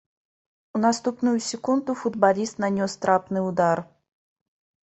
У наступную секунду футбаліст нанёс трапны ўдар.